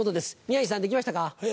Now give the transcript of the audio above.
宮治さん出来ましたか？